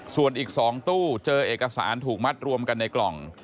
ส่วนอีก๒ตู้เจอเอกสารถูกมัดรวมกันในกล่อง